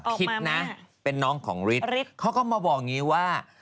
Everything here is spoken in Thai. คิดนะเป็นน้องของฤทธิฤทธิเขาก็มาบอกอย่างนี้ว่า